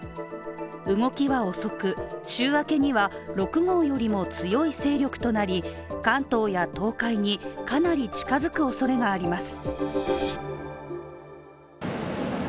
動きは遅く週明けには６号よりも強い勢力となり関東や東海にかなり近づくおそれがあります。